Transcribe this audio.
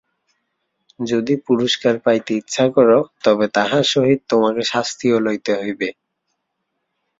যদি পুরস্কার পাইতে ইচ্ছা কর, তবে তাহার সহিত তোমাকে শাস্তিও লইতে হইবে।